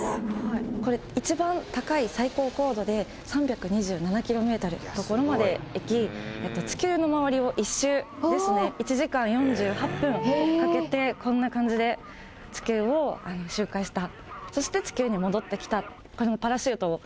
これ一番高い最高高度で３２７ｋｍの所まで行き地球の周りを１周１時間４８分かけてこんな感じで地球を周回した。